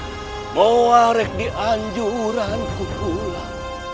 membawa rengga di anjuranku pulang